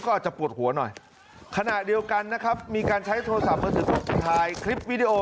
ก็อาจจะปวดหัวหน่อยขณะเดียวกันนะครับมีการใช้โทรศัพท์มือถือถ่ายคลิปวิดีโอ